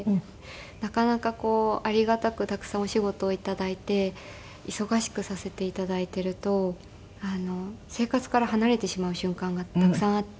なかなかこうありがたくたくさんお仕事を頂いて忙しくさせて頂いていると生活から離れてしまう瞬間がたくさんあって。